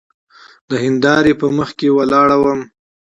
د هندارې په مخکې ولاړ وم.